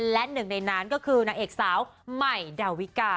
และหนึ่งในนั้นก็คือนางเอกสาวใหม่ดาวิกา